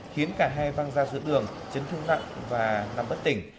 khiến cả hai văng ra giữa đường chấn thương nặng và nằm bất tỉnh